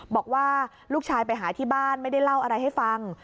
บอกว่าลูกชายไปหาที่บ้านไม่ได้เล่าอะไรให้ฟัง